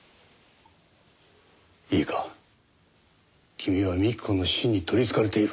いいか君は幹子の死に取りつかれている。